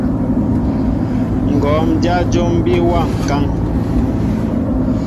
Ŋgǒm dyá jǒm bí wa ŋkán.